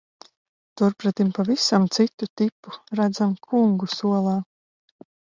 Turpretim pavisam citu tipu redzam kungu solā.